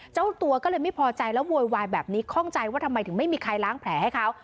เจ้าตัวก็เลยไม่พอใจแล้วโวยวายแบบนี้คล่องใจว่าทำไมถึงไม่มีใครล้างแผลให้เขา